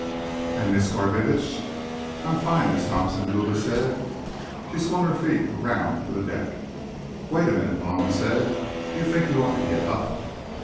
"And Miss Garbitsch—" "I'm fine, Miss Thompson," Luba said. She swung her feet around to the deck. "Wait a minute," Malone said. "Do you think you ought to get up?"